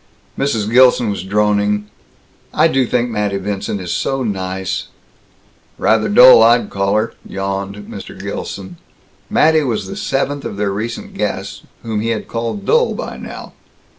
Mrs. Gilson was droning, "I do think Mattie Vincent is so nice." "Rather dull I'd call her," yawned Mr. Gilson. Mattie was the seventh of their recent guests whom he had called dull by now.